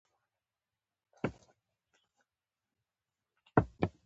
احمد غواړي چې کڼو ته غوږونه ورکېږدي.